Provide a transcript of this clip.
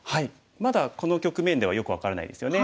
まだこの局面ではよく分からないですよね。